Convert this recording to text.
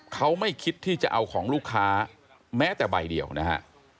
เขาไม่คิดที่จะเอาของลูกค้าแม้แต่ใบเดียวนะฮะ